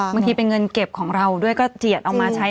เมื่อกี้เป็นเงินเก็บของเราด้วยก็เดี๋ยวเอามาใช้